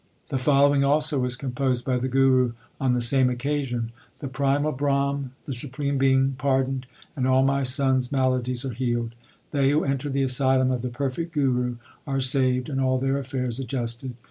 2 The following also was composed by the Guru on the same occasion : The primal Brahm, the Supreme Being, pardoned, and all my son s maladies are healed. They who enter the asylum of the perfect Guru are saved, and all their affairs adjusted.